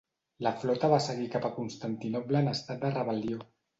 La flota va seguir cap a Constantinoble en estat de rebel·lió.